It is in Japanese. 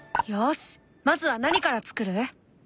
まずは何から作る？